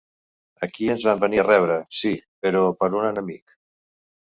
Aquí ens van venir a rebre, sí, però per un enemic.